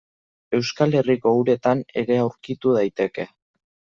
Euskal Herriko uretan ere aurkitu daiteke